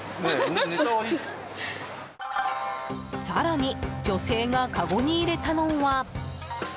更に女性がかごに入れたのは。